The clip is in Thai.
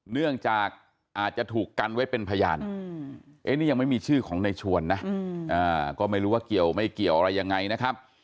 เนื่องจากอาจจะถูกกันไว้เป็นพยานนี่ยังไม่มีชื่อของในชวนนะก็ไม่รู้ว่าเกี่ยวไม่เกี่ยวอะไรยังไงนะครับ